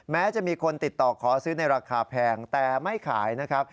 แม้จะมีคนติดต่อขอซื้อในราคาแพงแต่ไม่ขายนะครับ